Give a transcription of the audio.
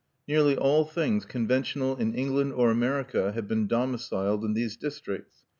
Nearly all things conventional in England or America have been domiciled in these districts.